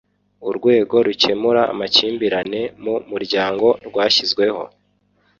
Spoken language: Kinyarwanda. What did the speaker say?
urwego rukemura amakimbirane mu muryango rwashyizweho